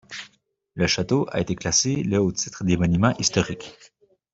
Le château a été classé le au titre des monuments historiques.